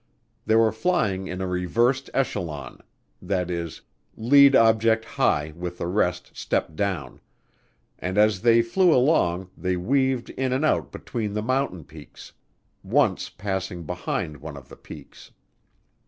They were flying in a reversed echelon (i.e., lead object high with the rest stepped down), and as they flew along they weaved in and out between the mountain peaks, once passing behind one of the peaks.